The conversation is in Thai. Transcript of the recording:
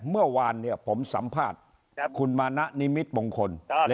เมื่อวานเนี้ยผมสัมภาษณ์ครับคุณมานะนิมิตรมงคลครับ